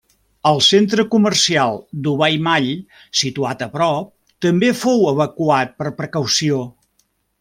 El centre comercial Dubai Mall, situat a prop, també fou evacuat per precaució.